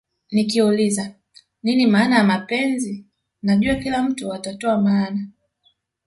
Nikiuliza nini maana ya mapenzi najua kila mtu atatoa maana